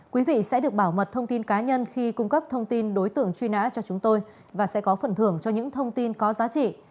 quý vị sẽ được bảo mật thông tin cá nhân khi cung cấp thông tin đối tượng truy nã cho chúng tôi và sẽ có phần thưởng cho những thông tin có giá trị